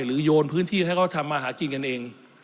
โยนพื้นที่ให้เขาทำมาหากินกันเอง